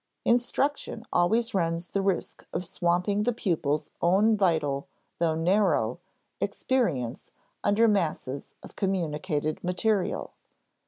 Instruction always runs the risk of swamping the pupil's own vital, though narrow, experience under masses of communicated material.